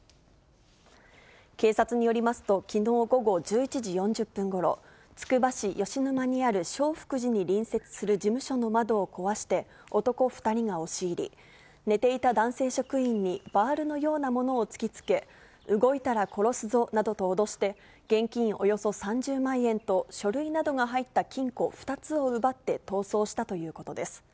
警察によりますと、きのう午後１１時４０分ごろ、つくば市吉沼にある正福寺に隣接する事務所の窓を壊して、男２人が押し入り、寝ていた男性職員にバールのようなものを突きつけ、動いたら殺すぞなどと脅して、現金およそ３０万円と、書類などが入った金庫２つを奪って逃走したということです。